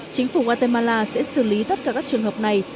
chính phủ guatemala sẽ xử lý tất cả các trường hợp này